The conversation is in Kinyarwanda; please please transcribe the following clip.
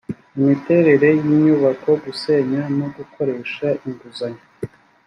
imiterere y inyubako gusenya no gukoresha inguzanyo